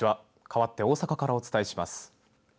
かわって大阪からお伝えします。